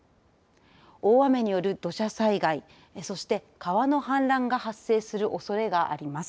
大雨による土砂災害そして、川の氾濫が発生するおそれがあります。